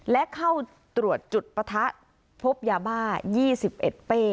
และเข้าตรวจจุดปะทะพบยาบ้า๒๑เป้